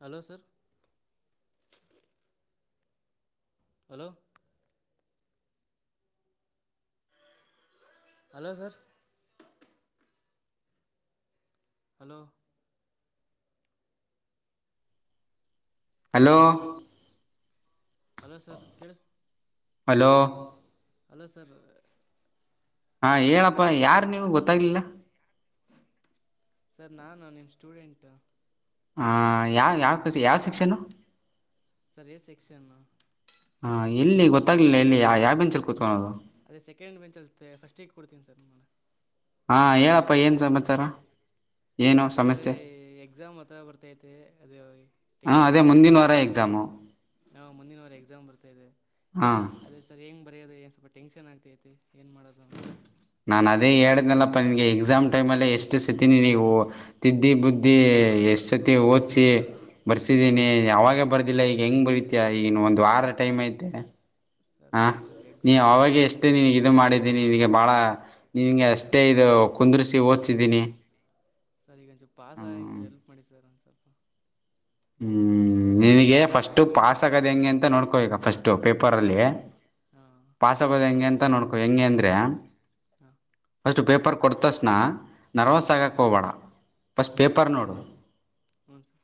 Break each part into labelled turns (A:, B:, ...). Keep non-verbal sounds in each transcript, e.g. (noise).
A: Hello sir hello hello sir hello
B: hello
A: hello sir ಕೇಳ
B: hello
A: hello sir
B: ಹಾ ಹೇಳಪ್ಪಾ ಯಾರ್ು ನೀವು ಗೊತ್ತಾಗ್ಲಿಲ್ಲ
A: ಸರ್ ನಾಾನು ನಿನ್ ಸ್ಟೂಡೆಂಟ್
B: ಹ ಯಾವ ಯಾವ ಯಾವ ಶಿಕ್ಷನು
A: ಸರಿಯ ಸೆಕ್ಷನ್
B: ಹ ಎಲ್ಲಿ ಗೊತ್ತಾಗಲಿಲ್ಲ ಎಲ್ಲಿ ಯಾವ ಹೆಂಚಲ್ಲಿ ಕೂತ್ಕೋದು
A: ಅದೇ ಸೆಕೆಂಡ್ ಬೆಂಚ್ ಅ ಫಸ್ಟ್ ವೀಕ್ ಕೊಡ್ತೀನ ಸರ್ ನಿಮ್ಮ
B: ಹಾ ಹೇಳಪ್ಪಾ ಏನ್ ಸಮಾಚಾರ ಏನು
A: ಸರ್ ಅದೇ
B: ಸಮಸ್ಯೆ
A: ಎಕ್ಸಾಮ್ ಹತ್ರ ಬರ್ತೈತಿ ಅದು
B: ಹಾ
A: ಟೆನ್ಶನ್
B: ಅದೇ
A: ಆಗ್ತಿದೆಸರ್
B: ಮುಂದಿನ
A: ಏನ್
B: ವಾರ
A: ಮಾಡಧು
B: ಎಕ್ಸಾಮು
A: ನಾವ ಮುಂದಿನವರ ಎಕ್ಸಾಮ್ ಬರ್ತಿದೆ
B: ಹಾ
A: ಅದೇ ಸರ್ ಏನ್ ಬರೆಯೋದು ಏನ್ ಸ್ವಲ್ಪ ಟೆನ್ಷನ್ ಆಗ್ತೈತಿ ಏನ್ ಮಾಡೋದು
B: ನಾನ್ ಅದೇ ಹೇಳ್ದ್ನಲ್ಲಪ್ಪಾ ನಿನ್ಗೆ ಎಕ್ಸಾಮ್ ಟೈಮ್ಲ್ಲೇ ಎಷ್ಟು ಸತಿದಿನಿ ನೀವು ತಿದ್ದಿ ಬುದ್ದಿ ಎಸ್ಟ್ಸತಿ ಒಧ್ಸಿ ಬರ್ಸಿದ್ದೀನಿ ಯಾವಾಗ ಬರ್ದಿಲ್ಲ ಈಗ ಹೆಂಗ್ ಬರೀತಿಯ ಈಗ ಒಂದು ವಾರ ವಾರ ಟೈಮ್ ಐತೆ
A: ಸರ್
B: ಹಾ
A: ಒಂಚೂರು
B: ನೀ
A: ಎಕ್ಸಾಮ್
B: ಅವಾಗ ಎಷ್ಟೇ ನೀ ಇದು ಮಾಡಿದ್ದೀನಿ ನಿಂಗೆ ಬಾಳ ನೀವಂಗೆ ಅಷ್ಟೇ ಇದು ಕುಂದ್ರಿಸಿ ಹೋದ್ಸಿದಿನಿ
A: ಸರ್ ಇವಾಗ್ ಒಂಚೂರು ಪಾಸ್ ಅಗೋ ಹೆಲ್ಪ್ ಮಾಡಿ ಸರ್ ಒಂಚೂರು
B: ಹ್ಮ್ ನಿನಗೆ ಫಸ್ಟ್
A: ಕ್ವಶನ್
B: ಪಾಸ್
A: ಪೇಪರ್
B: ಆಗಧು ಹೆಂಗೆ
A: ಬರೋ
B: ಅಂತ ನೋಡ್ಕೋ ಈಗ ಫಸ್ಟ್ು ಪೇಪರ್ ಅಲ್ಲಿ
A: ಹಾಂ
B: ಪಾಸ್ ಆಗೋದು ಹೆಂಗೆ ಅಂತ ನೋಡ್ಕೋ ಹೆಂಗೆ ಅಂದ್ರೆ
A: ಹಾ
B: ಪೇಪರ್ ಕೊಟ್ಟ ತಕ್ಷಣ ನರ್ವಸ್
A: ಹಾಂ
B: ಆಗಕ್ಕೆ ಹೋಗಬೇಡ ಪಫಸ್ಟ್
A: ಹ್ಞೂ ಸರ್
B: ಪೇಪರ್ ನೋಡು
A: ಹ್ಞೂ ಸರ್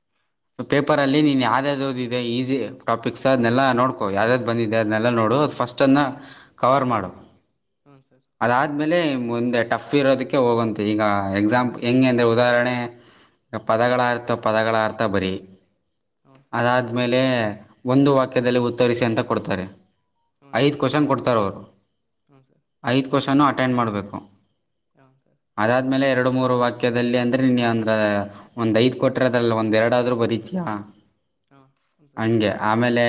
B: ಪೇಪರ್ ಪೇಪರಲ್ಲಿ ನೀನು ಯಾವ್ದ್ಯಾವ್ದು ಇದೆ ಈಸಿ ಟಾಪಿಕ್ಸ್ ಅದನ್ನೆಲ್ಲ ನೋಡ್ಕೋ ಯಾವುದು ಯಾವುದು ಬಂದಿದೆ ಅನ್ನಲ್ಲ ನೋಡು ಅದು ಫಸ್ಟ್ ಕವರ್ ಮಾಡು
A: ಹ್ಞೂ ಸರ್
B: ಅದಾದ್ಮೇಲೆ ಮುಂದೆ ಟಫ್ ಇರೋದಕ್ಕೆ ಹೋಗದು ಈಗ ಎಕ್ಸಾಮ್ ಹೆಂಗೆ ಅಂದ್ರರೆ ಉದಾಹರಣೆ ಈ ಪದಗಳ ಅರ್ಥ ಪದಗಳ ಅರ್ಥ ಬರಿ
A: ಹ್ಞೂ ಸರ್ ಫಸ್ಟ್ ಅವು
B: ಅದಾದ್ಮೇಲೆ
A: ಬರೋಲ್ಲ
B: ಒಂದು ವಾಕ್ಯದಲ್ಲಿ ಉತ್ತರಿಸಿ ಅಂತ ಕೊಡ್ತಾರೆ
A: ಹ್ಞೂ
B: ಐದು
A: ಸರ್
B: ಕ್ವಷನ್ ಕೊಡ್ತಾರ ಅವರು
A: ಹ್ಞೂ ಸರ್
B: ಐದು ಕ್ವಷನ್ ಮಾಡಬೇಕು
A: ಹಾಂ ಸರ್
B: ಅದಾದ್ಮೇಲೆ ಎರಡು ಮೂರು ವಾಕ್ಯದಲ್ಲಿ ಅಂದ್ರೆ ನೀನ್ ಅಂದ್ರ ಒಂದ್ ಐದ್ ಕೊಟ್ಟಿರೋದಲ್ಲ ಒಂದ ಎರಡ ಆದ್ರೂ ಬರೀ
A: ಹಾಂ ಹ್ಞೂ ಸರ್
B: ಹಂಗೆ ಆಮೇಲೆ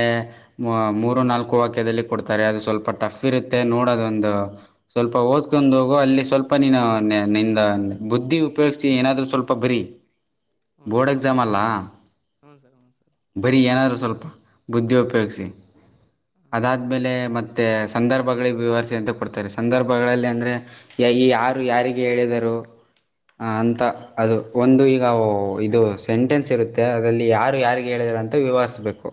B: ಮೂರು ನಾಲ್ಕು ವಾಕ್ಯದಲ್ಲಿ ಕೊಡ್ತಾರೆ ಅದು ಸ್ವಲ್ಪ ಟಫ್ ಇರುತ್ತೆ ನೋಡೋದೊಂದು ಸ್ವಲ್ಪ ಓದ್ಕೊಂಡ ಹೋಗು ನಿಂದ ಬುದ್ಧಿ ಉಪಯೋಗ್ಸ ಏನಾದ್ರರು
A: ಹ್ಞೂ ಸರ್
B: ಬೋರ್ಡ್
A: ಹ್ಞೂ
B: ಎಕ್ಸಾಮ್
A: ಸರ್
B: ಅಲ್ಲ
A: ಹ್ಞೂ ಸರ್ ಹ್ಞೂ ಸರ್
B: ಬರಿ ಏನಾದ್ರು ಸ್ವಲ್ಪ ಬುದ್ಧಿ ಉಪಯೋಗಿಸಿ ಅದಾದ್ ಆದ್ಮೇಲೆ
A: ಹಾಂ
B: ಮತ್ತೆ ಸಂದರ್ಭಗಳಿಗೆ ವಿವರಿಸೆ ಅಂತ ಕೊಡ್ತಾರೆ ಸಂದರ್ಭಗಳಲ್ಲಿ ಅಂದ್ರೆ ಈ ಯಾರು ಯಾರ ಯಾರಿಗೆ ಹೇಳಿದರು ಹ ಅಂತ ಅದು ಒಂದು ಈಗ ಇದು ಸೆಂಟೆನ್ಸ್ ಇರುತ್ತೆ ಅಲ್ಲಿ ಯಾರು ಯಾರಿಗೆ ಹೇಳಿ ಅಂತ ವಿವರಿಸ್ಬೇಕು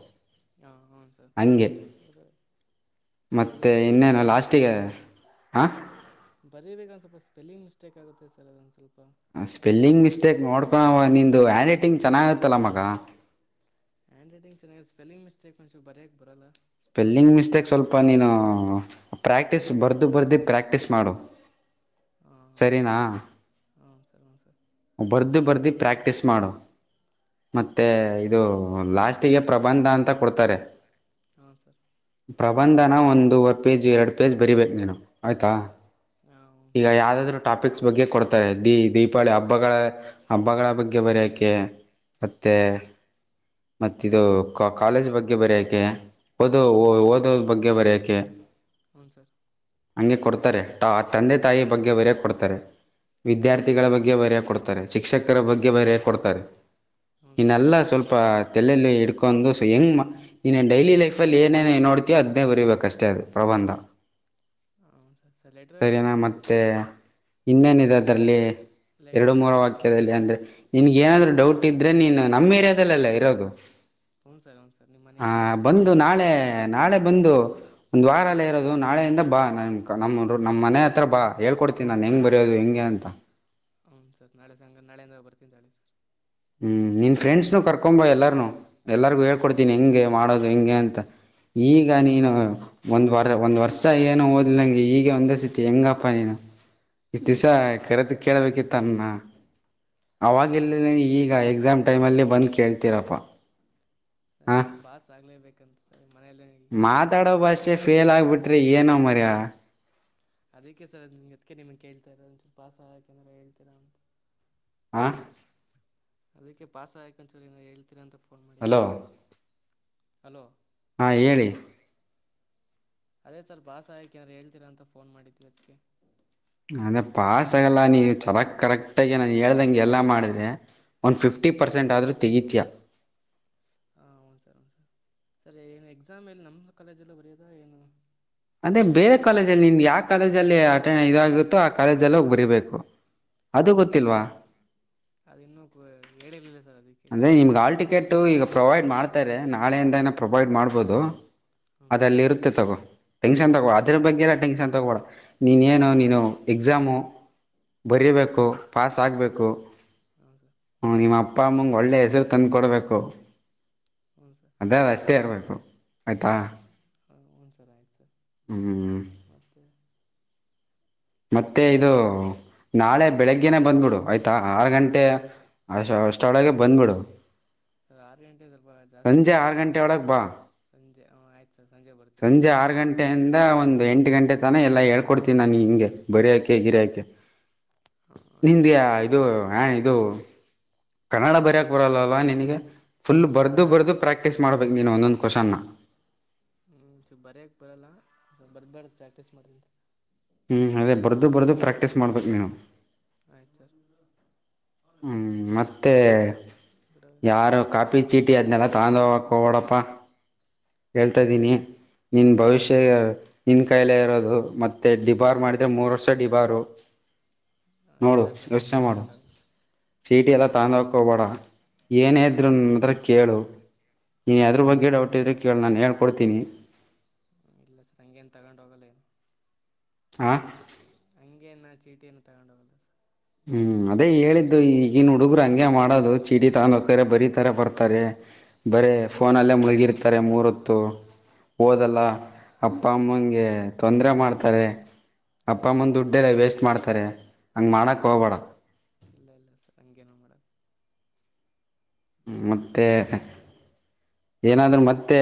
A: ಹಾ ಹೌ ಸರ್
B: ಹಂಗೆ
A: ಸರಿ
B: ಮತ್ತೆ
A: ಬರಿಬೇಕ
B: ಇನ್ನೇನು
A: ಸ್ವಲ್ಪ
B: ಲಾಸ್ಟಿಗೆ ಹಾಂ
A: ಬರಿಬೇಕ ಸ್ವಲ್ಪ ಸ್ಪೆಲ್ಲಿಂಗ್ ಮಿಸ್ಟೇಕ್ ಆಗುತ್ತೆ ಸರ್ ಸ್ವಲ್ಪ ಏನಾರು
B: ಸ್ಪೆಲ್ಲಿಂಗ್
A: ಹೇಳಿದ್ರೆ
B: ಮಿಸ್ಟೇಕ್ ನೋಡ್ಕೊಳ್ಳನ ನಿಂದು ಹ್ಯಾಂಡ್ ರೈಟಿಂಗ್ ಚೆನ್ನಾಗತ್ತಲ್ಲ ಮಗ
A: ಹ್ಯಾಂಡ್ ರೈಟಿಂಗ್ ಚೆನ್ನಾಗಿದೆ ಸ್ಪೆಲಿಂಗ್ ಮಿಸ್ಟೇಕ್ ಒಂಚೂರ್ ಬರಿಯಕ್ಕೆ ಬರಲ್ಲ
B: ಸ್ಪೆಲ್ಲಿಂಗ್ ಮಿಸ್ಟೇಕ್ ಸ್ವಲ್ಪ ನೀನು ಪ್ರಾಕ್ಟೀಸ್ ಬರ್ದು ಬರ್ದು ಪ್ರಾಕ್ಟೀಸ್ ಮಾಡು
A: (inaudible)
B: ಸರಿನಾ
A: ಹೂ ಸರ್ ಹೂ ಸರ್
B: ಬರ್ದು ಬರ್ದು ಪ್ರ್ಯಾಕ್ಟೀಸ್ ಮಾಡು ಮತ್ತೆ
A: ಹ್ಞೂ
B: ಇದು ಲಾಸ್ಟಿಗೆ ಪ್ರಬಂಧ ಅಂತ ಕೊಡ್ತಾರೆ
A: ಹಾಂ ಸರ್
B: ಪ್ರಬಂಧನ ಒಂದವರೆ ಪೇಜ್ ಎರಡು ಪೇಜ್ ಬರೀಬೇಕು ನೀನು ಆಯಿತಾ
A: ಹಾಂ
B: ಈಗ
A: ಹ್ಞೂ ಸರ್
B: ಯಾವುದಾದರೂ ಟಾಪಿಕ್ಸ್ ಬಗ್ಗೆ ಕೊಡ್ತಾರೆ ದೀ ದೀಪಾವಳಿ ಹಬ್ಬ ಹಬ್ಬಗಳ ಹಬ್ಬಗಳ ಬಗ್ಗೆ ಬರೆಯೋಕೆ ಮತ್ತೆ ಮತ್ತೆ ಇದು ಕಾಲೇಜ್ ಬಗ್ಗೆ ಬರಿಯಕೆ ಓದೋಓ ಓದೋದ್ ಬಗ್ಗೆ ಬರಿಯಕೆ
A: ಹ್ಮ್ಮ್ ಸರ್
B: ಹಂಗೆ ಕೊಡ್ತಾರೆ ತಂದೆ ತಾಯಿ ಬಗ್ಗೆ ಬರಿಯಕೆ ಕೊಡ್ತಾರೆ ವಿದ್ಯಾರ್ಥಿಗಳ
A: ಹಾಂ
B: ಬಗ್ಗೆ ಬರ್ಯಕ್ ಡ್ರೆ ಶಿಕ್ಷಕರ ಬಗ್ಗೆ ಬರೇಕ ಕೊಡ್ತಾರೆ
A: ಹ್ಞೂ ಸರ್ ಹ್ಞೂ
B: ಇನ್ನೆಲ್ಲ ಸ್ವಲ್ಪ ತಲೆ ಅಲ್ಲಿ ಇಡ್ಕೊಂಡು ದು ಹೆಂಗ ನೀನ್ನ ಡೈಲಿ ಲೈಫ್ ಅಲ್ಲಿ ಏನೇ ನೋಡ್ತೀಯೋ ಅದನ್ನೇ ಬರೀಬೇಕ ಅಷ್ಟೇ ಅದು ಪ್ರಬಂಧ
A: ಹ್ಞೂ ಸರ್ ಸರ್ ಲೆಟರ್
B: ಸರಿನಾ
A: ರೈಟಿಂಗ್
B: ಮತ್ತೆ ಇನ್ನೇನಿದೆ ಅದ್ರಲ್ಲಿ
A: ಲೆಟರ್
B: ಎರಡು ಮೂರ
A: ರೈಟಿಂಗ್
B: ವಾಕ್ಯದಲ್ಲಿ ಅಂದ್ರೆ ನಿನ್ಗ ಏನಾದ್ರು ಡೌಟ್ ಇದ್ರೆ ನೀನು ನಮ್ಮ ಏರಿಯಾದಲ್ಲೆಲ್ಲ ಇರೋದು
A: ಹನ್ ಸರ್ ಹನ್ ಸರ್ ನಿಮ್ಮ್ ಮನೆ ಈ
B: ಹಾ
A: ಕಡೆ ಹಿಂದ ಕಡೆ
B: ಬಂದು ನಾಳೆ ನಾಳೆ ಬಂದು ಒಂದ್ ವಾರ ಎಲ್ಲ ಇರೋದು ನಾಳೆಯಿಂದ ಬಾ ನ ನಮ್ಮ ನಮ್ಮ ಮನೆ ಹತ್ರ ಬಾ ಹೇಳ್ಕೊಡ್ತೀನಿ ಡ್ತಿ ನಾನ್ ಹೆಂಗ ಬರೆಯೋದು ಹೆಂಗೆ ಅಂತ
A: ಹ್ಞ ಸರ್ ನಾಳೆ ಸಂಘ ನಾಳಿಂದಾಗ ಬರ್ತೀನಿ ಸರ್
B: ಹ್ಮ್ ನಿನ್ ಫ್ರೆಂಡ್ಸ್ನು ಕರ್ಕೊಂಬ ಎಲ್ಲಾರನುೂ ಎಲ್ಲರಿಗು ಹೇಳ್ಕೊಡ್ತೀನಿ ಹೆಂಗೆ ಮಾಡೋದು ಹೆಂಗೆ ಅಂತ ಈಗ ನೀನು ಒಂದ್ ವಾರ ಒಂದ್ ವರ್ಷ ಏನು ಓದಿಲ್ಲಂಗೆ ಈಗ ಒಂದಸತಿ ಹೆಂಗಪ್ಪಾ ನೀನು
A: (inaudible)
B: ಇಸದಿವಸ
A: ಅದು ಪಾಸ್
B: ಕರೆತ ಕೇಳ್ಬೇಕಿತ್ತ
A: ಆಗಲೇಬೇಕು
B: ನನ್ನ ವಾಗಿಲ್ಲ
A: ಅದು
B: ಈಗ ಎಕ್ಸಾಮ್ ಟೈಮಲ್ಲೇ ಬಂದು ಕೇಳ್ತೀರಪ್ಪ ಹಾ
A: ಅದು ಪಾಸ್ ಆಗ್ಲೇಬೇಕಂತ
B: ಮಾತಾಡೋ ಭಾಷೆ ಫೇಲ್ ಆಗ್ಬಿಟ್ರಿ ಏನೋ ಮರ್ಯ
A: ಅದಕ್ಕೆ ಸರ್ ಅದಕ್ಕೆ ನಿಮಗೆ ಕೇಳ್ತಾ ಇರೋದ ಪಾಸ್ ಆಗಕಾರೆ ಏನಾರ ಹೇಳ್ತೀರಾ ಅಂತ
B: ಆ
A: ಅದಕ್ಕೆ ಪಾಸ್ ಆಗಕರೇ ಅನ್ ಚೋರಿ ಹೇಳ್ತಿರರಿ ಅಂತ ಫೋನ್ ಮಾಡಿದ್ದೆ
B: ಹಲೋ
A: ಹಲೋ
B: ಹಾ
A: ಕೇಳಿಸ್ತಿಲ್ಲ
B: ಹೇಳಿ
A: ಸರ್ ಅದೇ ಸರ್ ಪಾಸ ಆಗಕೆ ಏನು ಹೇಳ್ತೀರಾ ಅಂತ ಫೋನ್ ಮಾಡಿದೇ ಅದಕ್ಕೇ
B: ಅದ ಪಾಸ್ ಆಗಲ್ಲ ನೀವು ಚರಕ್ ಕರೆಕ್ಟ ಆಗಿ ನಾನು ಹೇಳ್ದಂಗೆ ಎಲ್ಲಾ ಮಾಡಿದೆ ಒಂದ
A: ಹ್ಞೂ
B: ಫಿಫ್ಟಿ
A: ಸರ್
B: ಪರ್ಸೆಂಟ್ ಆದ್ರೂ ತೆಗಿತ್ಯಾ
A: ಹಾ ಹ್ನ್ ಸರ್ ಹ್ನ್ ಸರ್ ಸರಿ ಏನು ಎಕ್ಸಾಮ್ ಎಲ್ಲಿ ನಮ್ಮ ಕಾಲೇಜಲ್ಲ ಬರಯೋದ ಏನು
B: ಅದೆ ಬೇರೆ ಕಾಲೇಜಲ್ಲಿ ನಿ ಯಾವ ಕಾಲೇಜಲ್ಲಿ ಅ ಆದಾಗಿತ್ತೋ ಆ ಕಾಲೇಜಲ್ಲ ಹೋಗಿ ಬರಿಬೇಕು ಅದು ಗೊತ್ತಿಲ್ವಾ
A: ಹಾಂ ಅದು ಇನ್ನು ಹೇಳಿಲ್ಲ ಸರ್ ಅದಕ್ಕೆ
B: ಅಂದ್ರೆ
A: ಯಾವ
B: ನಿಮ್ಗೆ,
A: ಕಾಲೇಜು ಅಂತ
B: ಹಾಲ್ಟಿಕ್ಟ್, ಈಗ ಪ್ರೊವೈಡ್ ಮಾಡ್ತಾರೆ! ನಾಳೆಯಿಂದ, ಏನ, ಪ್ರೊವೈಡ್, ಮಾಡ್ಬೋದು?
A: ಹ್ಞೂ
B: (inaudible)
A: ಸರ್
B: ಅದಲ್ಲಿ, ಇರುತ್ತೆ, ತಗೋ? (inaudible) ಟೆನ್ಷನ್, ತಗೋ, ಅದ್ರ, ಬಗ್ಗೆ! ಎಲ್ಲ, ಟೆನ್ಷನ್ ತಗೋಬೇಡ, ನೀನ, ಏನು ನೀನು ಎಕ್ಸಾಮು. (inaudible)
A: ಹ್ಞೂ
B: ಬರೀಬೇಕು,
A: ಸರ್
B: ಪಾಸ್, ಆಗ್ಬೇಕು!
A: ಹ್ಞೂ ಸರ್
B: ನಿಮ್ಮ. (inaudible) ಅಪ್ಪ, ಅಮ್ಮಗೆ, ಒಳ್ಳೆ, ಹೆಸರು, ತಂದು ಕೊಡ್ಬೇಕು!
A: ಹ್ಞೂ ಸರ್
B: ಅದೇ, ಅಷ್ಟೇ, ಇರಬೇಕು? (inaudible)
A: (unintelligible)
B: ಹ್ಞೂ
A: (inaudible)
B: ಮತ್ತೆ, ಇದು. (inaudible) ನಾಳೆ, ಬೆಳಗ್ಗೆನೆೇ, ಬಂದ್ಬಿಡು! ಆಯ್ತಾ ಆರು ಗಂಟೆ, ಅ, ಅಷ್ಟರೊಳಗೆ, ಬಂದ್ಬಿಡು? (inaudible)
A: ಅರುಗಂಟೇ, ಸ್ವಲ್ಪ, ಜಾಸ್ತಿ,
B: ಗಂಟೆ
A: ಆಂತಾ?
B: ಒಳಗೆ ಬಾ
A: (inaudible)
B: ಸಂಜೆ, ಆರು, ಗಂಟೆಯಿಂದ, ಒಂದು ಎಂಟು ಗಂಟೆ, ತನ. (inaudible) ಇಲ್ಲ, ಹೇಳ್ಕೊಡ್ತೀನಿ! ನಾನು, ಹಿಂಗೆ, ಬರಿಯಾಕೆ, ಗಿರಿಯಾಕೆ?
A: ಹಾಂ
B: (inaudible)
A: ಆಯ್ತು ಸರ್
B: ನಿಂದ್ಯಾ,
A: ಬರ್ತೀನಿ
B: ಇದು, ಹಾ, ಇದು? (inaudible) ಕನ್ನಡ, ಬರಯಕ್ ಬರಲ್ಲಲ್ಲಾ! ನಿನಗೆ ಫುಲ್
A: ಸರ್
B: ಬರ್ದು,
A: ಕನ್ನಡ
B: ಬರ್ದು, ಪ್ರಾಕ್ಟೀಸ್, ಮಾಡ್ಬೇಕ್, ನೀನು ಒಂದೊಂದು? (inaudible) ಕ್ವೆಶ್ಚನ್. (inaudible)
A: ಹ್, ಒಂದುಚೂರು, ಬರೆಯಕ್ಕೆ ಬರಲ್ಲ, ಬರ್ಬೇಡ್ದು, ಪ್ರಾಕ್ಟೀಸ್, ಮಾಡ್. (inaudible)
B: ಹ್ಮ್, ಅದೇ, ಬರೆದು, ಬರೆದು, ಪ್ರಾಕ್ಟೀಸ್ ಮಾಡ್ಬೇಕು! ನೀನು? (inaudible)
A: ಆಯ್ತು, ಸರ್. (inaudible)
B: ಹ್ಮ್, ಮತ್ತೆ.
A: ಬಿಡ
B: (inaudible) ಯಾರು, ಕಾಫಿ, ಚೀಟಿ, ಅದ್ನೆಲ್ಲ,
A: ಅಲ್ಲ ಎದುರುಗಡೆ
B: ತಾಕೊಂಡೂಗುಪ್ಪಾ. (inaudible) ಹೇಳ್ತಾ,
A: ಆಯ್ತು
B: ಇದ್ದೀನಿ!
A: ಸರ್
B: ನಿನ್,
A: ಆಯ್ತು
B: ಭವಿಷ್ಯ,
A: ಸರ್
B: ನಿನ್, ಕಾಯಲೈ, ಇರೋದು. (inaudible) ಇದು, ಮತ್ತೆ, ಡಿಬಾರ್, ಮಾಡಿದ್ರೆ! ಮೂರ್ ವರ್ಷ, ಡಿಬಾರ್. (inaudible) ನೋಡು,
A: ಇಲ್ಲ ಸರ್
B: ಯೋಚನೆ,
A: ಹಂಗೇನು
B: ಮಾಡು? (inaudible)
A: ತಗೊಂಡೋಗಲ್ಲ
B: ಚೀಟಿ, ಎಲ್ಲ, ತಕೊಂಡು, ಹೋಗಕ್ಕೆ ಹೋಗಬೇಡ, ಏನೇ ಇದ್ರು, ನಾನುಯತರ, ಕೇಳು? (inaudible) ನೀ, ಅದ್ರ, ಬಗ್ಗೆ
A: ಆಯ್ತು
B: ಡೌಟ್
A: ಸರ್
B: ಇದ್ರೆ ಕೇಳಿ ನಾನು ಹೇಳ್ಕೊಡ್ತೀನಿ? (inaudible)
A: ಇಲ್ಲ, ಸರ್, ಹಂಗೇನೇ, ತಗೊಂಡ್ ಹೋಗಲ್ಲನು? (inaudible)
B: ಹಾ.. (inaudible)
A: ಹಂಗಗೆ, ನ, ಚೀಟಿಯನ್ನು ತಗೊಂಡ್ ಹೋಗಲ್ಲ? (inaudible)
B: ಹ್ಮ್, ಅದೇ ಹೇಳಿದ್ದು? ಈಗನ್ ಹುಡುಗರು ಹಂಗೆ ಮಾಡೋದು! ಚಿಟ್ಟಿ, ತಾಕೊಂಡೂಗುತ್ತಾರೆ, ಬರೀ, ತರ, ಬರ್ತ. (inaudible) ಕರೆ, ಬರೇ, ಫೋನಲ್ಲೇ, ಮುಳುಗಿರ್ತಾರೆ, ಮೂರತ್ತು! (inaudible) ಓದಲ್ಲ, ಅಪ್ಪ, ಅಮ್ಮನಗೆ, ತೊಂದರೆ ಮಾಡ್ತಾರೆ? (inaudible)
A: ಸರ್
B: ಅಪ್ಪ, ಮುಂದ್, ದುಡ್ಡೆ, ಎಲ್ಲ, ವೇಸ್ಟ್, ಮಾಡ್ತಾರೆ? (inaudible) ಮಾಡಕ್ಕೆ ಹೋಗಬೇಡ
A: ಹ್ಮ, ಸರ್, ಇಲ್ಲ, ಇಲ್ಲ, ಸರ್, ಹಂಗೇನೆ, ಮಾಡದು? (inaudible)
B: ಹ್ಮ್, ಮತ್ತೆ. (inaudible) ಏನಾದ್ರರು, ಮತ್ತೆ?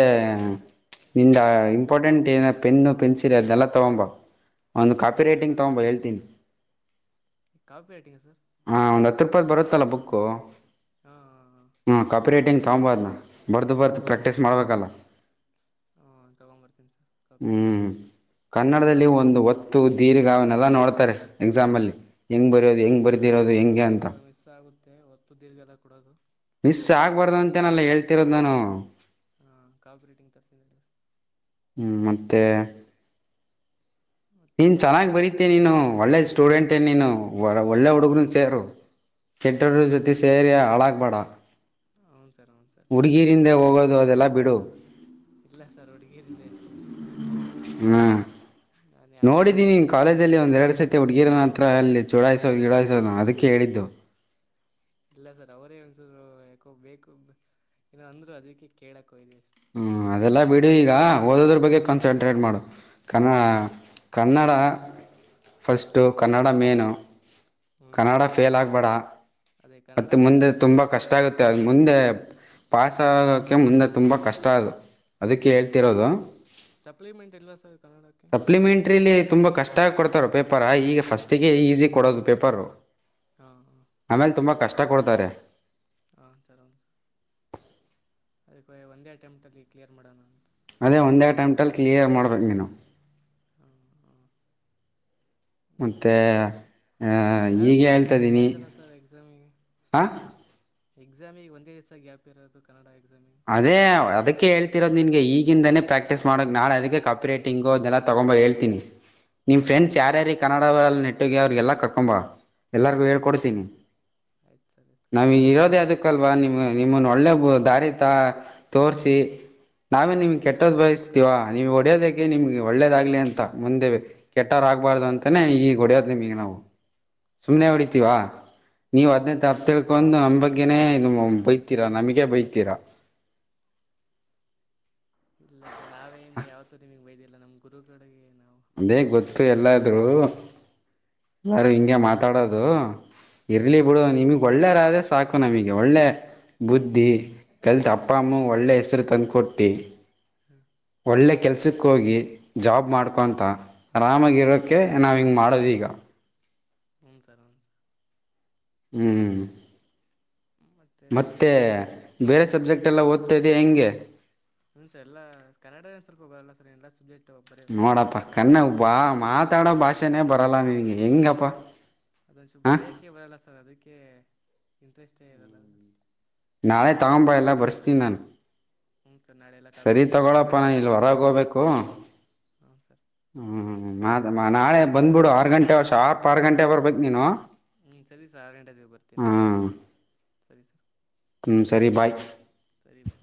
B: (inaudible) ನಿಂದ, ಇಂಪಾರ್ಟೆಂಟ್, ಏನ, ಪೆನ್ನು, ಪೆನ್ಸಿಲ್ ಅದನ್ನೆಲ್ಲ! ತಗೊಂಬ? (inaudible) ಒಂದು,
A: ಹ್ಞೂ
B: ಕಾಪಿ,
A: ಸರ್ ಎಲ್ಲ
B: ರೈಟಿಂಗ್ ತಗೊಬ, ಹೇಳ್ತೀನಿ!
A: ಕಾಪಿ ರೈಟಿಂಗ್ ಸರ್
B: ಹ ಒಂದು, ಹತ್ತು. (inaudible) ಹತ್ತು, ರೂಪಾಯಿ, ಬರುತ್ತಲ್ಲ, ಬುಕ್ಕು
A: ಹಾಂ ಹಾಂ
B: ಹಾ, ಕಫಿ ರೇಟಿಂಗ್, ತೊಗೊಂಬಬ್ದನಾ? (inaudible) ಬರ್ದು, ಬರ್ದುು, ಪ್ರ್ಯಾಕ್ಟೀಸ್, ಮಾಡ್ಬೇಕಲ್ಲ? (inaudible)
A: ಹಾ, ತಗೊಂಡ್ಂಬರ್ತೀನಿ, ಸರ್, ಕಾಫ್ಫಿರಿಟಿಂಗ್.
B: ಹ್ಮ್
A: (inaudible)
B: ಕನ್ನಡದಲ್ಲಿ ಒಂದು, ಒತ್ತು, ದೀರ್ಘ ಅವನ್ನೆಲ್ಲ! ನೋಡ್ತಾರೆ ಎಕ್ಸಾಮ್, ಅಲ್ಲಿ. (inaudible) ಹೆಂಗು, ಬರೋದು, ಹೆಂಗೆ, ಬರ್ತಿರೋದು, ಹೆಂಗೆ ಅಂತ. (inaudible)
A: ಮತ್ತೇ, ಹೊತ್ತು ದೀರ್ಘದ, ಕೊಡೋದು? (inaudible)
B: ಮಿಸ್, ಆಗ್ಬಾರ್ದು ಅಂತೇನೆಲ್ಲ! ಹೇಳ್ತಿರೋದ್ ನಾನು? (inaudible)
A: ಕಾಪ್, ರೈಟಿಂಗ್, ತರತೀ, ಸರ್. (inaudible)
B: ಹ್ಮ್, ಮತ್ತೆ. (inaudible)
A: ಮತ್ತು
B: ನೀನು, ಚೆನ್ನಾಗಿ, ಬರೀತೀ, ನೀನು, ಒಳ್ಳೆ ಸ್ಟೂಡೆಂಟೇ! ನೀನು, ಒ, ಒಳ್ಳೆ, ಹುಡುಗ್ರು ಸೇರು? (inaudible) ಕೆಟ್ಟವರು, ಜೊತೆ, ಸೇರಿ, ಅಳಾಗ್ಪಡಾ? (inaudible)
A: ಹ್ಮ್ಮ್. (inaudible)
B: ಹುಡುಗೀರಿಂದೆ, ಹೋಗೋದು, ಅದೆಲ್ಲ ಬಿಡು. (inaudible)
A: ಇಲ್ಲಾ, ಸರ್, ಹುಡುಗಿಯರು, ಹಿಂದೆ?
B: ಹಾ
A: (unintelligible)
B: ನೋಡಿದ್ದೀನಿ ಕಾಲೇಜಲ್ಲಿ ಒಂದೆ ಎರಡು ಸತಿ ಹುಡುಗಿರನ ಹತ್ರ ಅಲ್ಲಿ ಚೋಡಾಯಸೋ ಗೀಡಾಯಿಸೋ ಅದಕ್ಕೆ ಹೇಳಿದ್ದು
A: ಇಲ್ಲ ಸರ್ ಅವರೇ ಒಂದಸೂರು ಯಾಕೋ ಬೇಕು ಏನ ಅಂದ್ರು ಅದಕ್ಕೆ ಕೇಳಕ್ಕೊ
B: ಹ್ಮ್ ಅದೆಲ್ಲಾ ಬಿಡು ಈಗ ಓದೋದ್ರ ಬಗ್ಗೆ ಕ ಚಂಟ್ರೇಟ್ ಮಾಡು ಕನ್ನ ಕನ್ನಡ ಫಸ್ಟು ಕನ್ನಡ ಮೇನು
A: ಹ್ಞೂ ಸರ್
B: ಕನ್ನಡ
A: ಹ್ಞೂ
B: ಫೇಲ್
A: ಸರ್
B: ಆಗ್ಬೇಡ
A: ಅದೇ ಕನ್ನಡ
B: ಮತ್ತೆ ಮುಂದೆ
A: ಫೇಲ್
B: ತುಂಬಾ
A: ಆಗಿಬಿಟ್ರೆ
B: ಕಷ್ಟ ಆಗುತ್ತೆ ಅ ಮುಂದೆ ಪಾಸಾಗೋಕ್ಕೆ ಮುಂದೆ ತುಂಬ ಕಷ್ಟ ಅದು ಅದಕ್ಕೆ
A: ಹ್ಞೂ
B: ಹೇಳ್ತಿರೋದು
A: ಸಪ್ಲಿಮೆಂಟ್ ಇಲ್ವಾ ಸರ್ ಕನ್ನಡಕ್ಕೆ
B: ಸಪ್ಲಿಮೆಂಟ್ರಿಲಿ ತುಂಬಾ ಕಷ್ಟ ಆ ಕೊಡ್ತಾರ ಪೇಪರ್ ಈಗ ಫಸ್ಟ್ಿಗೆ ಈಸಿ ಕೊಡೋದು ಪೇಪರ್
A: ಹಾಂ ಹಾಂ
B: ಆಮೇಲೆ ತುಂಬಾ ಕಷ್ಟ ಕೊಡ್ತಾರೆ
A: ಹನ್ ಸರ್ ಹನ್ ಸರ್ ಅದಕ್ಕೆ ಒಂದೇ ಅಟೆಂಪ್ಟ ಅಲ್ಲಿ ಕ್ಲಿಯರ್ ಮಾಡೋಣ
B: ಅದೇ ಒಂದೇ ಅಟೆಂಪ್ಟಲ್ಲಿ ಕ್ಲಿಯರ್ ಮಾಡ್ಬೇಕು ನೀನು
A: ಹಾಂ ಹಾಂ
B: ಮತ್ತು
A: ಅದು ಗ್ಯಾಪ್
B: ಹೀಗೆ
A: ಒಂದೇ ದಸ ಇದಲ್ಲ ಸರ್ ಎಕ್ಸಾಮಿಗೆ
B: ಹ
A: ಎಕ್ಸಾಮಗ ಒಂದೇ ದಿವಸ ಗ್ಯಾಪ್ ಇರೋದು ಕನ್ನಡ ಎಕ್ಸಾಮ್
B: ಅದೇ ಅದಕ್ಕೆ ಹೇಳ್ತಿರೋದು ನಿನ್ಗೆ ಈಗಿಂದಾನೇ ಪ್ರಾಕ್ಟೀಸ್ ಮಾಡೋಕ್ ನಾಳೆ ಅದಕ್ಕೆ ಕಪ್ ರೇಟಿಂಗು ಅದೆಲ್ಲ ತಗೊಂಡ ಕಂಬ ಹೇಳ್ತೀನಿ ನಿಮ
A: ಹಾಂ
B: ಫ್ರೆಂಡ್ಸ್
A: ಸರ್
B: ಯಾರ್ಯಾರ ಕನ್ನಡ ನೆಟ್ಟಗೆಿ ಅವ್ರಿಗೆಲ್ಲ ಕಕೊಂಬ ಎಲ್ಲರಿಗು
A: ಆಯ್ತು
B: ಹೇಳ್ಕೊಡ್ತೀನಿ
A: ಸರ್ ಆಯ್ತು ಸರ್ ಆಯ್ತು
B: ನಾವೀಗ
A: ಕರ್ಕೊಂಬರ್ತೀನಿ
B: ಇರೋದೇ
A: ನಾಳೆ
B: ಅದಕ್ಕಲ್ವಾ ನಿಮ್ಮ ನಿಮ್ಮನ್ನು ಒಳ್ಳೆ ದಾರಿ ತ ತೋರಿಸಿ ನಾವೇ ನಿಮ್ಗೆ ಕೆಟ್ಟೋದ್ ಬಯಸ್ತೀವಾ ನೀವ್ ಹೊಡೆಯೋದಕ್ಕೆ ನಿಮ್ಗೆ ಒಳ್ಳೇದಾಗ್ಲಿ ಅಂತ ಮುಂದೆ ಕೆಟ್ಟರ ಆಗ್ಬಾರು ಅಂತಾನೇ ಈಗ ಹೊಡೋದ್ ನಿಮ ಈಗ ನಾವು
A: (inaudible)
B: ಸುಮ್ನೆ
A: ಸರ್ ಹ್ಞೂ
B: ಹೊಡಿತೀವಾ ನೀವು
A: ಇಲ್ಲ
B: ಹದ್ನೈದು
A: ಸರ್
B: ಹತಕೊಂದು ನಮ್ಮ ಬಗ್ಗೆನನೆ ಇದು ಬೈತೀರಾ ನಮಗ್ ಗೆ ಬೈತೀರಾ
A: ಇಲ್ಲ ಸ ನಾವೇನು ಯಾವತ್ತೂ ನಿಮಗ್ ವೈದಿಲ್ಲ ನಮ್ ಗುರುಗಳಿಗೆ ನಾವು
B: ಅದೇ ಗೊತ್ತು ಎಲ್ಲಾದ್ೂ ಯಾರು ಹಿಂಗಗೆ ಮಾತಾಡೋದು ಇರ್ಲಿ ಬಿಡು ನಿಮಗ್ ಒಳ್ಳೇರಾದೆ ಸಾಕು ನಮಗೆ ಒಳ್ಳೆ ಬುದ್ಧಿ ಕಲ್ತ್ ಅಪ್ಪಮ್ಮೂ ಒಳ್ಳೆ ಹೆಸರು ತಂದುಕ ಕೊಟ್ಟು
A: ಹ್ಮ
B: ಒಳ್ಳೆ ಕೆಲ್ಸಕ್ಕೆ ಹೋಗಿ ಜಾಬ್ ಮಾಡ್ಕೊತ ಆರಾಮಾಗಿರೋಕ್ಕೆ ನಾವು ಹಿಂಗೆ ಮಾಡೋದೀಗ
A: ಹ ಸರಿ ಹ ಸರಿ
B: ಹ್ಮ್
A: ಮತ್ತು ಸರ್
B: ಮತ್ತೆ
A: ಊಟ
B: ಬೇರೆ ಸಬ್ಜೆಕ್ಟ್ ಎಲ್ಲ ಓದ್ತಾದೆ ಹೆಂಗೆ
A: ಹ್ಮನ್ ಸರ್ ಎಲ್ಲ ಕನ್ನಡನು ಸ್ವಲ್ಪ ಹೋಗಲ್ಲ ಸರ್ ಎಲ್ಲ ಸಬ್ಜೆಕ್ಟ್ ಬರೀ ಬರಿತೀನಿ
B: ನೋಡಪ್ಪಾ
A: ಪಾಸ್ ಆಗ್ತೀನಿ
B: ಕನ್ನಬಾ ಮಾತಾಡೋ ಭಾಷೆನೇ ಬರಲ್ಲ ನಿನ್ಗೆ ಹೆಂಗಪ್ಪಾ
A: ಅದೊಂದುಚು ಬರೆಯಕೆ ಬರಲ್ಲ ಸರ್ ಅದಕ್ಕೆ ಇಂಟ್ರೆಸ್ಟೇ ಇರಲ್ಲ ಅ
B: ನಾಳೆ ತಗೊಂಬ ಎಲ್ಲ ಬರ್ಸ್ತೀನಿ ನಾನು
A: ಹ್ಞೂ ಸರ್ ನಾಳೆ ಎಲ್ಲ
B: ಸರಿ
A: ಕಾಪಿರೇಟಿಂಗ್ ಎಲ್ಲ
B: ತಗೊಳಪ್ಪನ
A: ತಗೊಂಡು
B: ಇಲ್ ಹೊರಗೋಗಬೇಕು
A: ಹ್ಞೂ ಸರ್
B: ಹ್ಮ್ ಅಮ್ಮ ನಾಳೆ ಬಂದು್ಬಿಡು ಆರು ಗಂಟೆ ಶಾರ್ಪ್ ಆರು ಗಂಟೆಗೆ ಬರಬೇಕು ನೀನು
A: ಹ್ಞೂ ಸರಿ ಸರ್ ಆರು ಗಂಟೆಾದ ಬರ್ತೀನಿ
B: ಹ್ಮ್
A: ತ್ಯ್ಯಾಂಕ್ ಯು ಸರಿ ಸರ್
B: ಸಂಸರಿ ಬಾಯಕ್
A: ಸರಿ ಭಾಯ್